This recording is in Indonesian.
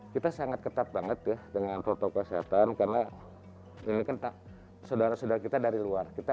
kita sangat ketat banget deh dengan protokol kesehatan karena dengan tak saudara saudara kita